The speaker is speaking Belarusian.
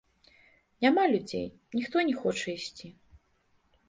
Няма людзей, ніхто не хоча ісці.